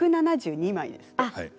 １７２枚です。